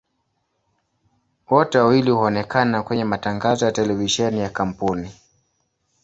Wote wawili huonekana kwenye matangazo ya televisheni ya kampuni.